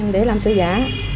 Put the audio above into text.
để làm sổ giả